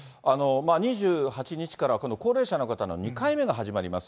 ２８日から、今度高齢者の方の２回目が始まります。